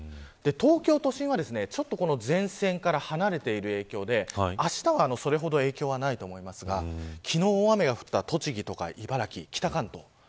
東京都心はちょっと前線から離れている影響であしたは、それほど影響はないと思いますが昨日大雨が降った栃木県、茨城、北関東